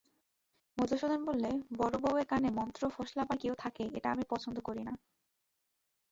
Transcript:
মধুসূদন বললে, বড়োবউয়ের কানে মন্ত্র ফোসলাবার কেউ থাকে এটা আমি পছন্দ করি নে।